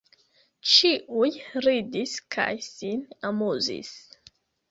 Ĉiuj ridis kaj sin amuzis.